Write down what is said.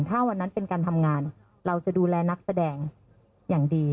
ถ้าวันนั้นเป็นการทำงานเราจะดูแลนักแสดงอย่างดี